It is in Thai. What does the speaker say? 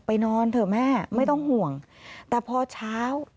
นอนเถอะแม่ไม่ต้องห่วงแต่พอเช้า